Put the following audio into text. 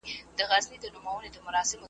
چي منزل له ټولو ورک وي کومي لاري ته سمیږو .